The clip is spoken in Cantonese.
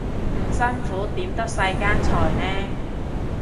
唔辛苦點得世間財呢